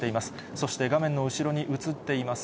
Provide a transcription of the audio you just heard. そして画面の後ろに映っています